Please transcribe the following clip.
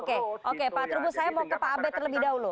oke oke pak trubus saya mau ke pak abed terlebih dahulu